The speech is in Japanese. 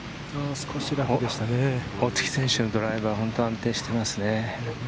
大槻選手のドライバー、本当に安定していますね。